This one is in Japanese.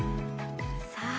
さあ